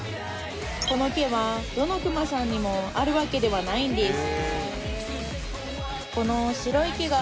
この毛はどのクマさんにもあるわけではないんです